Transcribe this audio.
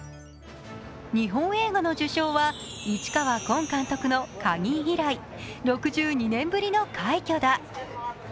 日本映画の受賞は市川崑監督の「鍵」以来６２年ぶりの快挙だ。